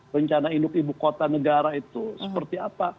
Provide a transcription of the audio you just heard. rencana induk ibu kota negara itu seperti apa